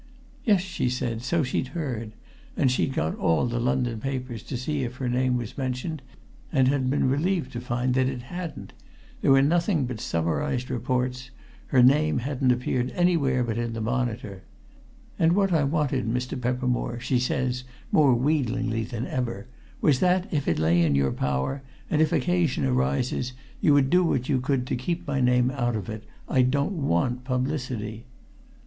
"Yes, she said; so she'd heard, and she'd got all the London papers to see if her name was mentioned, and had been relieved to find that it hadn't: there were nothing but summarized reports: her name hadn't appeared anywhere but in the Monitor. 'And what I wanted, Mr. Peppermore,' she says, more wheedlingly than ever, 'was that, if it lay in your power, and if occasion arises, you would do what you could to keep my name out of it I don't want publicity!'